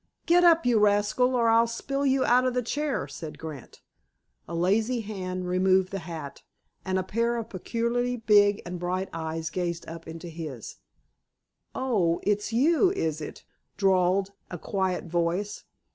"Get up, you rascal, or I'll spill you out of the chair!" said Grant. A lazy hand removed the hat, and a pair of peculiarly big and bright eyes gazed up into his. "Oh, it's you, is it?" drawled a quiet voice.